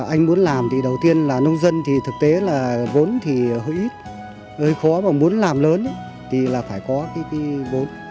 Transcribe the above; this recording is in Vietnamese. anh muốn làm thì đầu tiên là nông dân thì thực tế là vốn thì hơi ít khó mà muốn làm lớn thì là phải có cái vốn